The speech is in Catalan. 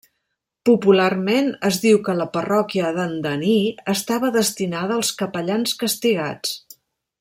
Popularment es diu que la parròquia d'Andaní estava destinada als capellans castigats.